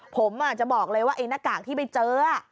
ผมจะบอกเลยว่าไอ้หน้ากากที่ไปเจอ